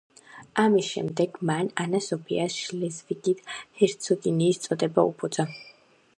ამის შემდეგ მან ანა სოფიას შლეზვიგის ჰერცოგინიის წოდება უბოძა.